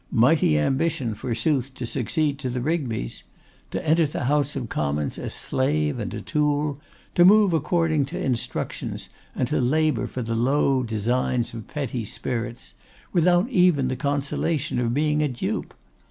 Mighty ambition, forsooth, to succeed to the Rigbys! To enter the House of Commons a slave and a tool; to move according to instructions, and to labour for the low designs of petty spirits, without even the consolation of being a dupe.